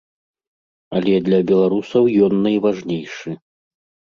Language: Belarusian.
Але для беларусаў ён найважнейшы.